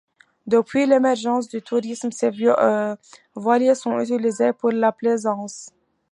Depuis l’émergence du tourisme, ces voiliers sont utilisés pour la plaisance.